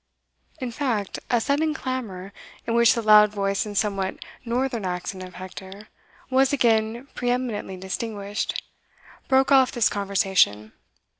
In fact, a sudden clamour, in which the loud voice and somewhat northern accent of Hector was again preeminently distinguished, broke off this conversation.